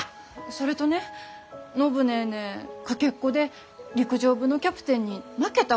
それとね暢ネーネーかけっこで陸上部のキャプテンに負けたわけ。